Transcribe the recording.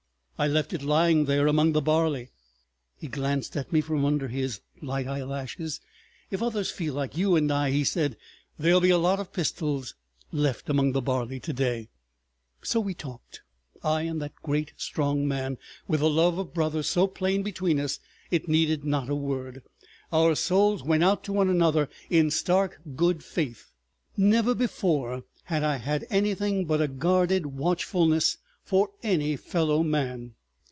"I left it lying there—among the barley." He glanced at me from under his light eyelashes. "If others feel like you and I," he said, "there'll be a lot of pistols left among the barley to day. ..." So we talked, I and that great, strong man, with the love of brothers so plain between us it needed not a word. Our souls went out to one another in stark good faith; never before had I had anything but a guarded watchfulness for any fellow man.